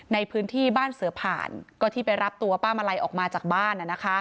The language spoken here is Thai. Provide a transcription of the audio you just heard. ในพื้นที่บ้านเสือผ่านก็ที่ไปรับตัวป้ามาลัยออกมาจากบ้าน